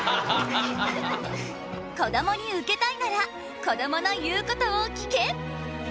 こどもにウケたいならこどもの言うことを聞け！